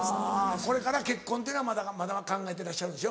これから結婚っていうのはまだ考えてらっしゃるんでしょ？